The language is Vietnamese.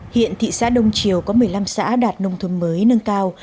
hiện thị xã đông triều có một mươi năm xã đạt nông thôn mới nâng cao